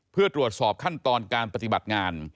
เพื่อตรวจสอบขั้นตอนการปฏิบัติงาน